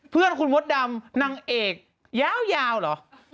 เพื่อนคุณมดดำนางเอกยาวเหรอ